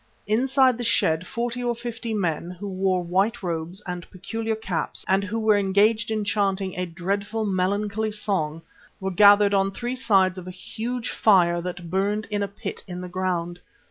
Inside the shed forty or fifty men, who wore white robes and peculiar caps and who were engaged in chanting a dreadful, melancholy song, were gathered on three sides of a huge fire that burned in a pit in the ground.